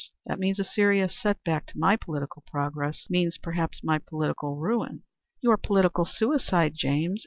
That means a serious setback to my political progress; means perhaps my political ruin." "Your political suicide, James.